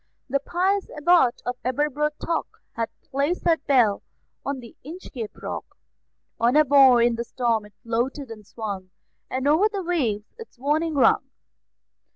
The pious Abbot of Aberbrothock Had placed that bell on the Inchcape Rock; On a buoy in the storm it floated and swung, And over the waves its warning rung.